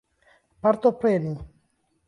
partopreni